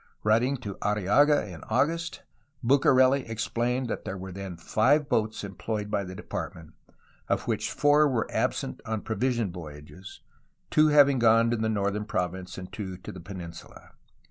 Writing to Arriaga in August, BucareH explained that there were then five boats employed by the Department, of which four were absent on provision voyages, two having gone to the northern province and two to the peninsula.